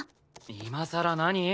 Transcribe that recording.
今さら何？